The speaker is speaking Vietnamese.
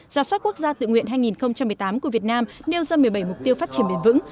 giả soát quốc gia tự nguyện hai nghìn một mươi tám của việt nam nêu ra một mươi bảy mục tiêu phát triển bền vững